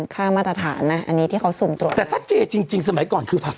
ค่ามาตรฐานนะอันนี้ที่เขาสุ่มตรวจแต่ถ้าเจจริงจริงสมัยก่อนคือผัก